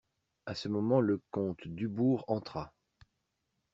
A ce moment le comte Dubourg entra.